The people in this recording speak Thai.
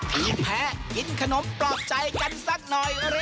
ทีมแพ้กินขนมปลอบใจกันสักหน่อย